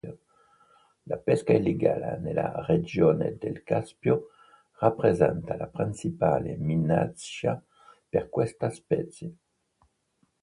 La pesca illegale nella regione del Caspio rappresenta la principale minaccia per questa specie.